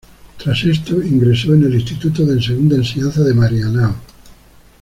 Tras esto, ingresó en el Instituto de Segunda Enseñanza de Marianao.